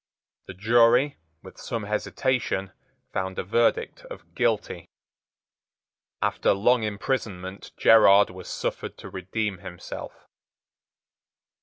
The jury, with some hesitation, found a verdict of Guilty. After long imprisonment Gerard was suffered to redeem himself.